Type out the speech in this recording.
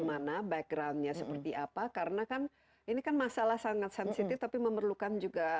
mana backgroundnya seperti apa karena kan ini kan masalah sangat sensitif tapi memerlukan juga